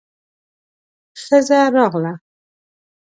ښځه راغله.